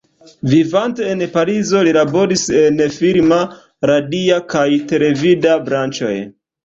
Vivante en Parizo li laboris en la filma, radia kaj televida branĉoj.